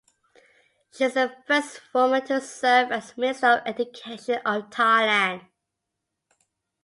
She is the first woman to serve as Minister of Education of Thailand.